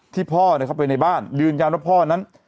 ที่พ่อไปในบ้านยืนยันว่าพ่อนั้น